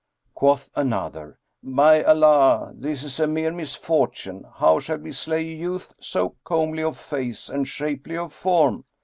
Quoth another, "By Allah, this a mere misfortune: how shall we slay a youth so comely of face and shapely of form?"